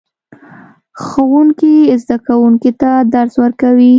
ښوونکی زده کوونکو ته درس ورکوي